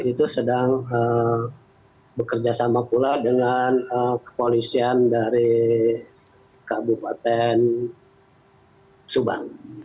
itu sedang bekerjasama pula dengan kepolisian dari kabupaten subang